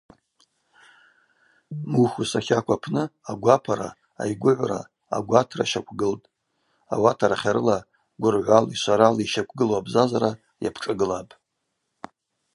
Мухус ахьакв апны агвапара, айгвыгӏвра, агватра щаквгылапӏ, ауат арахьарыла гвыргӏвали шварали йщаквгылу абзазара йапшӏагылапӏ.